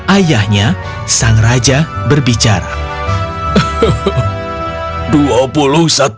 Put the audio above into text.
ayahnya sang raja berbicara